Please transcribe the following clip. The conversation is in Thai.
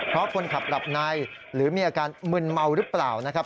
เพราะคนขับหลับในหรือมีอาการมึนเมาหรือเปล่านะครับ